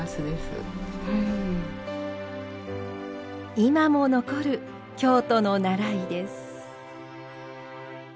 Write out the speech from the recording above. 今も残る京都の習いです。